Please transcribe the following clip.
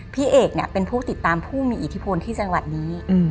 พี่เอกเนี่ยเป็นผู้ติดตามผู้มีอิทธิพลที่จังหวัดนี้